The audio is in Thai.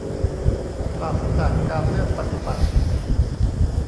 ปราศจากการเลือกปฏิบัติ